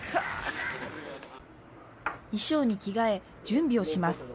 衣装に着替え準備をします